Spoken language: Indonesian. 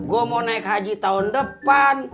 gue mau naik haji tahun depan